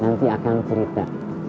nanti akang cerita